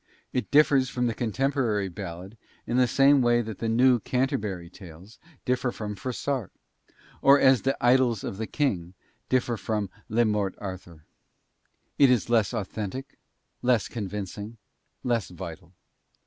It differs from the contemporary ballad in the same way that the "New Canterbury Tales" differ from Froissart; or as the "Idylls of the King" differ from "Le Morte Arthur." It is less authentic, less convincing, less vital.